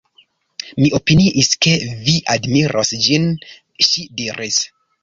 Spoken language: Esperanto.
Mi opiniis ke vi admiros ĝin, ŝi diris.